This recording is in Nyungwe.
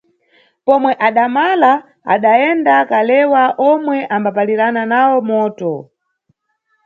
Pomwe adamalaadayenda kalewa omwe ambapalirana nawo moto.